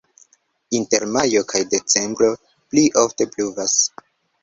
Inter majo kaj decembro pli ofte pluvas.